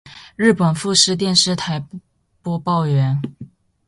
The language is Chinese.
日本富士电视台播报员。